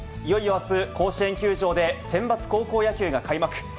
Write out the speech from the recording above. いよいよあす、甲子園球場でセンバツ高校野球が開幕。